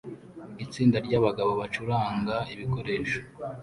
Itsinda ryabagabo bacuranga ibikoresho